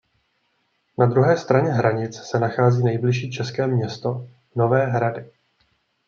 Na druhé straně hranic se nachází nejbližší české město Nové Hrady.